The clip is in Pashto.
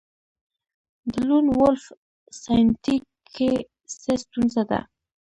د لون وولف ساینتیک کې څه ستونزه ده